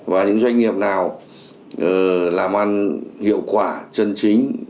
và những doanh nghiệp nào làm ăn hiệu quả chân chính